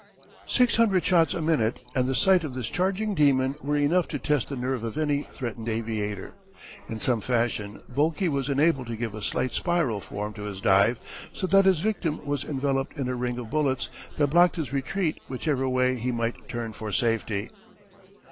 Six hundred shots a minute and the sight of this charging demon were enough to test the nerve of any threatened aviator. In some fashion Boelke was enabled to give a slight spiral form to his dive so that his victim was enveloped in a ring of bullets that blocked his retreat whichever way he might turn for safety.